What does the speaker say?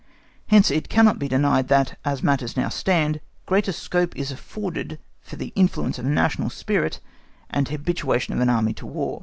Hence it cannot be denied that, as matters now stand, greater scope is afforded for the influence of National spirit and habituation of an army to War.